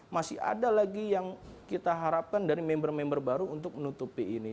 masih ada lagi yang kita harapkan dari member member baru untuk menutupi ini